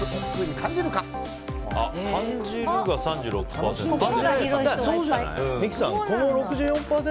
感じるが３６％。